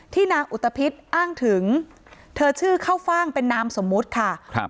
นางอุตภิษอ้างถึงเธอชื่อเข้าฟ่างเป็นนามสมมุติค่ะครับ